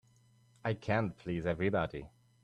I can't please everybody.